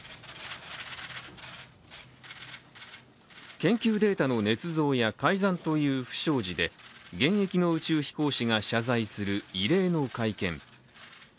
研究データのねつ造や改ざんという不祥事で現役の宇宙飛行士が謝罪する異例の会見。